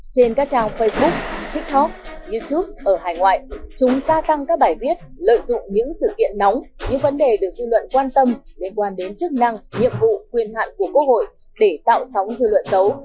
trên các trào facebook tiktok youtube ở hải ngoại chúng gia tăng các bài viết lợi dụng những sự kiện nóng những vấn đề được dư luận quan tâm liên quan đến chức năng nhiệm vụ quyền hạn của quốc hội để tạo sóng dư luận xấu